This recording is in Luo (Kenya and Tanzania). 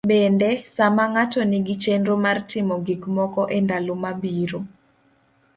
Bende, sama ng'ato nigi chenro mar timo gikmoko e ndalo mabiro.